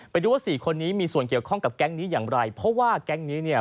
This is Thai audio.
ไปดูว่าสี่คนนี้มีส่วนเกี่ยวข้องกับแก๊งนี้อย่างไรเพราะว่าแก๊งนี้เนี่ย